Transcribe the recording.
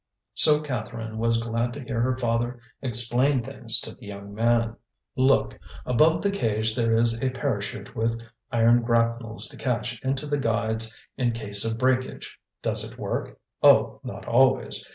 So Catherine was glad to hear her father explain things to the young man. "Look! above the cage there is a parachute with iron grapnels to catch into the guides in case of breakage. Does it work? Oh, not always.